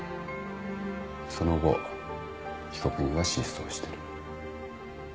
その後被告人は失踪してる。